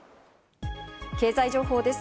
経済情報です。